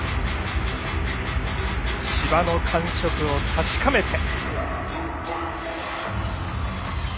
芝の感触を確かめて。